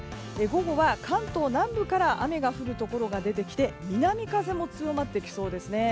午後は関東南部から雨が降るところが出てきて南風も強まってきそうですね。